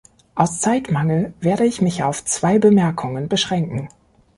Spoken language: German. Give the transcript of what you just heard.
Aus Zeitmangel werde ich mich auf zwei Bemerkungen beschränken.